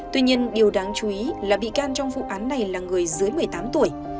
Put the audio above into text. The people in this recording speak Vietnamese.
tuy nhiên điều đáng chú ý là bị can trong vụ án này là người dưới một mươi tám tuổi